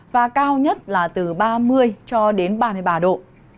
và cao nhất là từ ba mươi cho đến ba mươi ba độ